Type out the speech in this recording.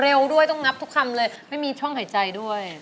ด้วยต้องงับทุกคำเลยไม่มีช่องหายใจด้วย